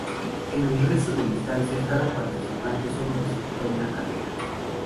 En el resto de distancias cada participante solo disputa una carrera.